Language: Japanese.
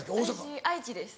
私愛知です。